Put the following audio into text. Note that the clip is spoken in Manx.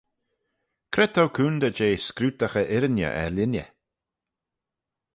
Cre t'ou coontey jeh scrutaghey-irriney er linney?